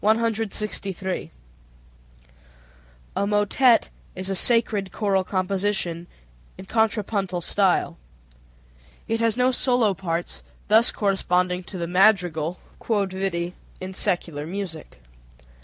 A motet is a sacred choral composition in contrapuntal style. It has no solo parts, thus corresponding to the madrigal (q.v.) in secular music.